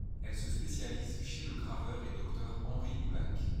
Elle se spécialise chez le graveur et doreur Henri Noulhac.